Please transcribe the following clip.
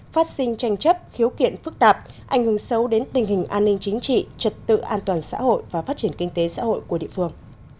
phát sinh tranh chấp khiếu kiện phức tạp ảnh hưởng xấu đến tình hình an ninh chính trị trật tự an toàn xã hội và phát triển kinh tế xã hội của địa phương